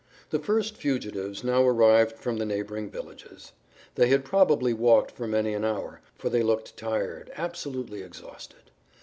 The first fugitives now arrived from the neighboring villages. They had probably walked for many an hour, for they looked tired, absolutely exhausted.